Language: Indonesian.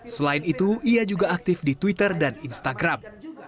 selain itu ia juga aktif di twitter dan instagram